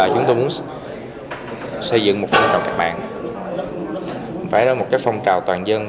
chúng tôi muốn xây dựng một phong trào các bạn phải là một phong trào toàn dân